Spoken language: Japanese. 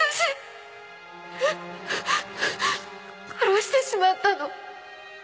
殺してしまったの